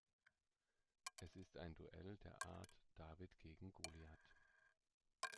Es ist ein Duell der Art David gegen Goliath.